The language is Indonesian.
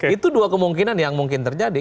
itu dua kemungkinan yang mungkin terjadi